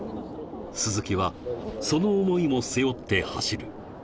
鈴木はその思いも背負って走る。